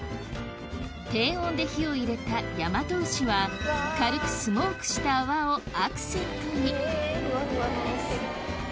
低温で火を入れた大和牛は軽くスモークした泡をアクセントにふわふわののってる。